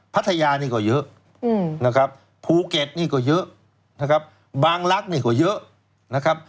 พัทยานี่ก็เยอะนะครับภูเก็ตนี่ก็เยอะนะครับบางลักษณ์นี่ก็เยอะนะครับ